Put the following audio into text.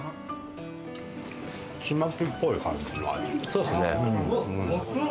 そうですね。